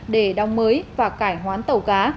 để đóng mới và cải hoãn tàu cá